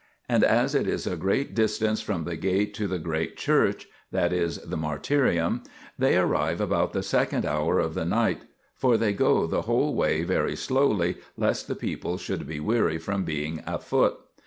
And as it is a good distance from the gate to the great church, that is, the martyrium, they arrive about the second hour of the night, for they go the whole way very slowly lest the people should be weary from being afoot.